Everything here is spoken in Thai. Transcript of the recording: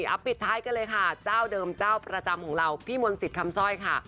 เอาปิดท้ายกันเลยค่ะเจ้าเดิมเจ้าประจำของเราพี่มนต์สิทธิ์คำสร้อยค่ะ